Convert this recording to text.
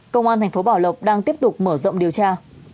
công an tp bảo lộc đang tiếp tục mở rộng điều tra